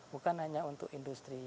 bukan hanya untuk industri